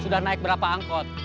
sudah naik berapa angkot